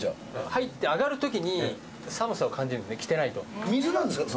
「入って上がるときに寒さを感じるのね着てないと」「水なんですか？」